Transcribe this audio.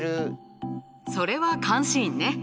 それは監視員ね。